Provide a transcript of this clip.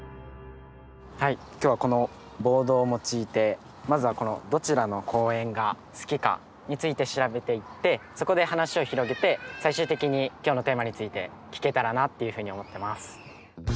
はい今日はこのボードを用いてまずはこのどちらの公園が好きかについて調べていってそこで話を広げて最終的に今日のテーマについて聞けたらなっていうふうに思ってます。